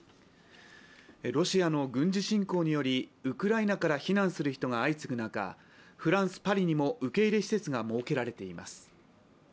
ロシアの軍事侵攻により、ウクライナから避難する人が相次ぐ中、フランス・パリにも受け入れ施設が設けられています。